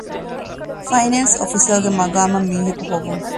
ފައިނޭންސް އޮފިސަރގެ މަޤާމަށް މީހަކު ހޮވުން